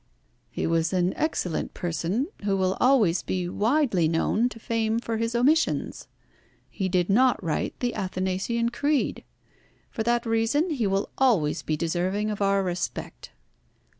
"He was an excellent person, who will always be widely known to fame for his omissions. He did not write the Athanasian creed. For that reason he will always be deserving of our respect."